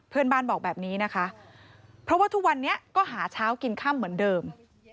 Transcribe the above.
เพื่อนบ้านบอกแบบนี้นะคะเพราะว่าทุกวันนี้ก็หาเช้ากินค่ำเหมือนเดิม